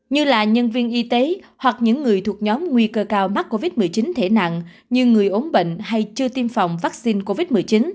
như là nhân viên y tế hoặc những người thuộc nhóm nguy cơ cao mắc covid một mươi chín thể nặng như người ốm bệnh hay chưa tiêm phòng vaccine covid một mươi chín